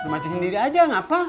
mancing sendiri saja kenapa